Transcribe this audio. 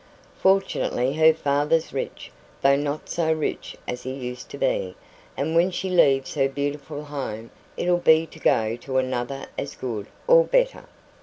Fortunately, her father's rich, though not so rich as he used to be; and when she leaves her beautiful home, it'll be to go to another as good, or better.